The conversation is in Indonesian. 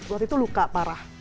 waktu itu luka parah